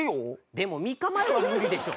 でも３日前は無理でしょ。